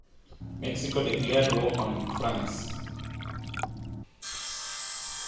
Mexico declared war on France.